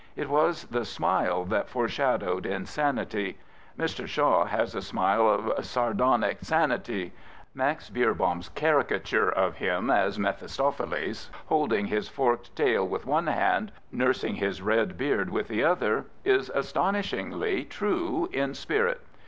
It was the smite 'that foreshadowed insanity. Mr. Shaw has a smile of sardonic sanity. Max Beerbohm'a caricature of him as Mephistopheles, holding his so George Bernard Shaw forked tail with one hand, nursing his red beard with the other, is astonishingly true in spirit.